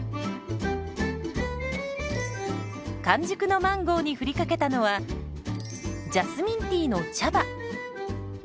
完熟のマンゴーに振りかけたのはジャスミンティーの茶葉。